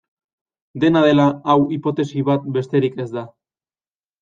Dena dela hau hipotesi bat besterik ez da.